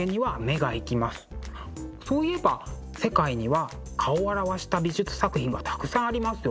そういえば世界には顔を表した美術作品がたくさんありますよね。